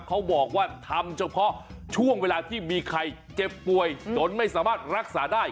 เขาบอกว่าทำเฉพาะช่วงเวลาที่มีใครเจ็บป่วยจนไม่สามารถรักษาได้